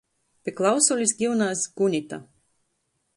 Pi klausulis giunās Gunita.